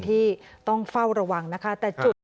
ที่ต้องเฝ้าระวังนะคะแต่จุด